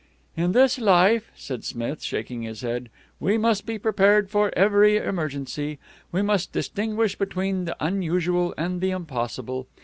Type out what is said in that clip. "In this life," said Smith, shaking his head, "we must be prepared for every emergency. We must distinguish between the unusual and the impossible.